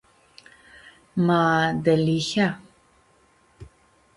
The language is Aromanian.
Ma, delihea.